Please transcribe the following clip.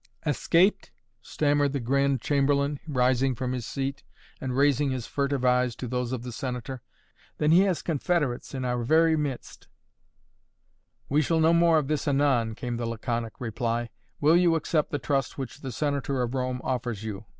"Escaped?" stammered the Grand Chamberlain, rising from his seat and raising his furtive eyes to those of the Senator. "Then he has confederates in our very midst " "We shall know more of this anon," came the laconic reply. "Will you accept the trust which the Senator of Rome offers you?"